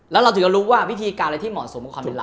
แล้วเราถึงจะรู้ว่าวิธีการอะไรที่เหมาะสมกับความเป็นเรา